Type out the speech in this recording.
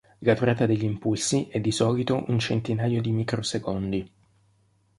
La durata degli impulsi è di solito un centinaio di microsecondi.